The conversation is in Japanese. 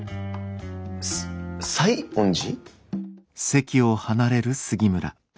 さ西園寺？